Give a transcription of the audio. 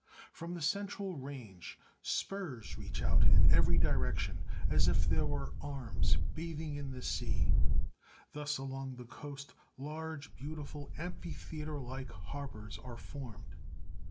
From the central range spurs reach out in every direction as if they were arms bathing in the sea. Thus along the coast large, beautiful, amphitheatre like harbours are formed.